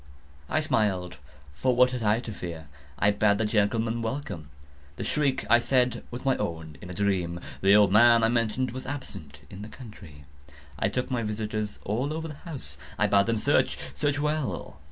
I smiled,—for what had I to fear? I bade the gentlemen welcome. The shriek, I said, was my own in a dream. The old man, I mentioned, was absent in the country. I took my visitors all over the house. I bade them search—search well.